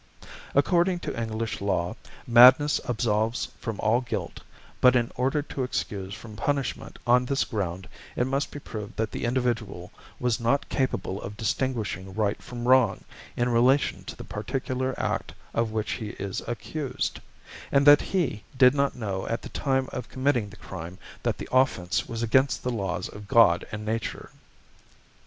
According to English law, madness absolves from all guilt, but in order to excuse from punishment on this ground it must be proved that the individual was not capable of distinguishing right from wrong in relation to the particular act of which he is accused, and that he did not know at the time of committing the crime that the offence was against the laws of God and nature.